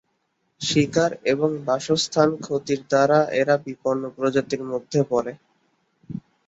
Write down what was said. শিকার এবং বাসস্থান ক্ষতির দ্বারা এরা বিপন্ন প্রজাতির মধ্যে পরে।